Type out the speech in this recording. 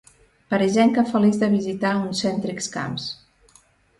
Parisenca feliç de visitar uns cèntrics camps.